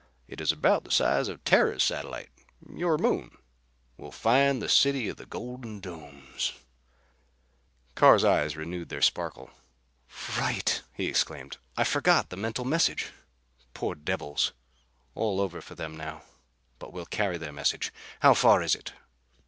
It is about the size of Terra's satellite your Moon. We'll find the city of the golden domes." Carr's eyes renewed their sparkle. "Right!" he exclaimed. "I forgot the mental message. Poor devils! All over for them now. But we'll carry their message. How far is it?"